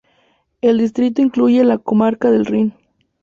El distrito incluye la comarca del Rin.